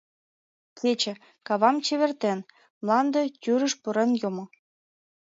Кече, кавам чевертен, мланде тӱрыш пурен йомо.